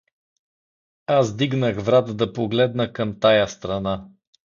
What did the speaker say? Аз дигнах врат да погледна към тая страна.